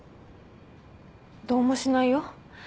どうもしないよ。